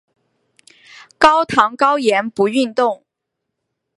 高糖高盐不运动